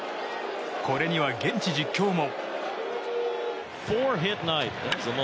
これには現地実況も。